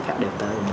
khách đều tới ủng hộ